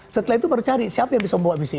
setelah itu baru cari siapa yang bisa membawa visi